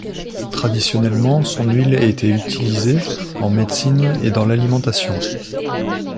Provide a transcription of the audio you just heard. Traditionnellement son huile était utilisée en médecine et dans l'alimentation.